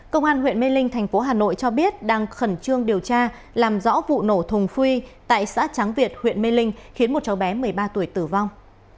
công an huyện mê linh thành phố hà nội cho biết đang khẩn trương điều tra làm rõ vụ nổ thùng phi tại xã tráng việt huyện mê linh khiến một cháu bé một mươi ba tuổi tử vong